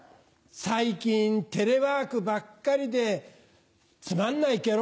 最近テレワークばっかりでつまんないケロ。